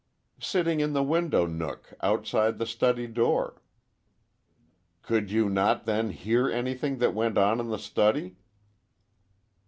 "Sitting in the window nook outside the study door." "Could you not, then, hear anything that went on in the study?"